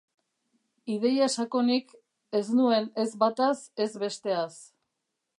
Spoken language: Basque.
Ideia sakonik, ez nuen ez bataz ez besteaz.